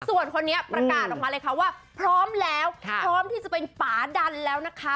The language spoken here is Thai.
ส่วนคนนี้ประกาศออกมาเลยค่ะว่าพร้อมแล้วพร้อมที่จะเป็นป่าดันแล้วนะคะ